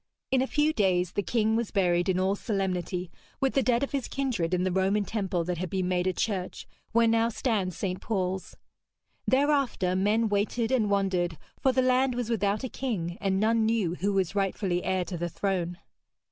In a few days the king was buried in all solemnity with the dead of his kindred in the Roman temple that had been made a church, where now stands St. Paul's. Thereafter men waited and wondered, for the land was without a king, and none knew who was rightfully heir to the throne.